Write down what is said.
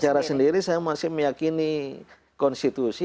secara sendiri saya masih meyakini konstitusi